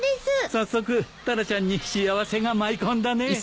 早速タラちゃんに幸せが舞い込んだね。